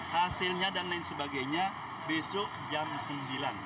hasilnya dan lain sebagainya besok jam sembilan